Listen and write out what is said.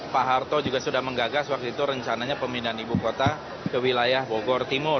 pak harto juga sudah menggagas waktu itu rencananya pemindahan ibu kota ke wilayah bogor timur